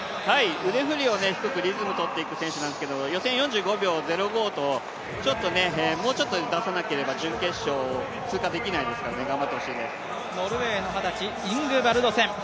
腕振りを低くリズムをとっていく選手なんですけど、予選４５秒０５と、もうちょっと出さなければ準決勝通過できないですからノルウェーの二十歳、イングバルドセン。